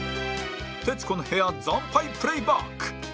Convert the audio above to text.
『徹子の部屋』惨敗プレイバック